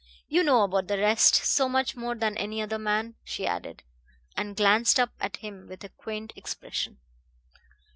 "You know about the rest so much more than any other man," she added; and glanced up at him with a quaint expression.